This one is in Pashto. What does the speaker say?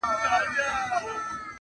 تر پاچا پوري عرض نه سو رسېدلای؛